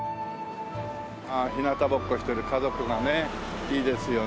ああひなたぼっこしてる家族がねいいですよね。